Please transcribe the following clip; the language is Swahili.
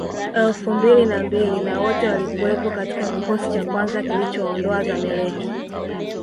elfu mbili na mbili na wote walikuwepo katika kikosi cha kwanza kilichowaondoa Zamelek